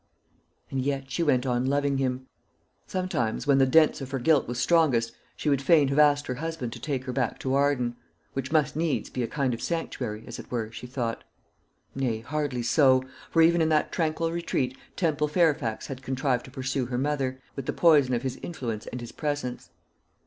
And yet she went on loving him. Sometimes, when the sense of her guilt was strongest, she would fain have asked her husband to take her back to Arden; which must needs be a kind of sanctuary, as it were, she thought. Nay, hardly so; for even in that tranquil retreat Temple Fairfax had contrived to pursue her mother, with the poison of his influence and his presence.